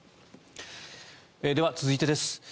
では、続いてです。